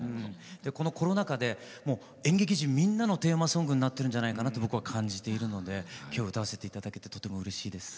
このコロナ禍でもう演劇人みんなのテーマソングになってるんじゃないかなと僕は感じているのできょうは歌わせていただけてとてもうれしいです。